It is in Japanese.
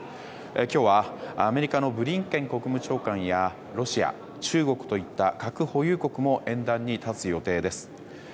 今日はアメリカのブリンケン国務長官やロシア、中国といった核保有国も演壇に立つ予定です。